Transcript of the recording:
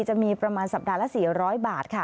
จะมีประมาณสัปดาห์ละ๔๐๐บาทค่ะ